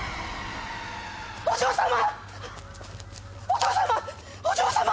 お嬢様！